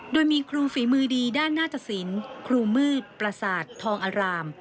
โดยมีครูฝีมือดีด้านหน้าตสินครูมืดประสาททองอาราม